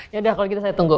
yaudah kalau gitu saya tunggu